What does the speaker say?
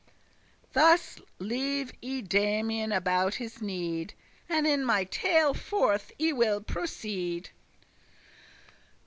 Thus leave I Damian about his need, And in my tale forth I will proceed.